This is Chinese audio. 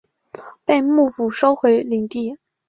被幕府收回领地。